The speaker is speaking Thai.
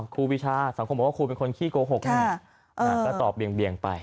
ครูปีชาสังคมบอกว่าครูเป็นคนขี้โกหกแน่ก็ตอบเบียงไป